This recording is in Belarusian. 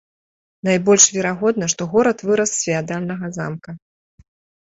Найбольш верагодна, што горад вырас з феадальнага замка.